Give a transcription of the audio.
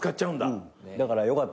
だからよかったです